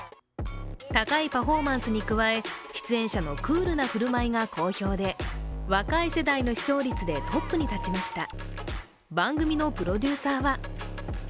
高いパフォーマンスに加え出演者のクールな振る舞いが好評で若い世代の視聴率でトップに立ちました。